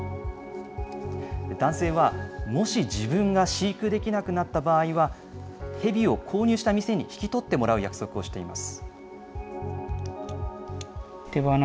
男性は、もし自分が飼育できなくなった場合は、ヘビを購入した店に引き取ってもらう約束をしています。